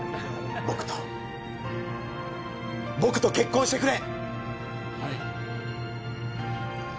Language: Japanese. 僕と僕と結婚してくれ！